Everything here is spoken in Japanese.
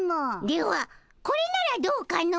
ではこれならどうかの？